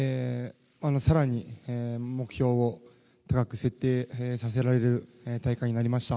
更に目標を高く設定させられる大会になりました。